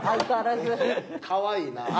かわいいな。